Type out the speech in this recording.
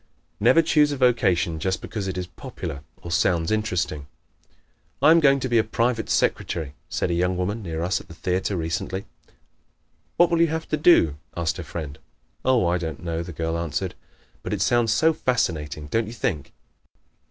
Never choose a vocation just because it is popular or sounds interesting. "I am going to be a private secretary," said a young woman near us at the theater recently. "What will you have to do?" asked her friend. "Oh, I don't know," the girl answered, "but it sounds so fascinating, don't you think?"